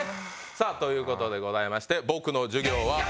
さあという事でございまして僕の授業は。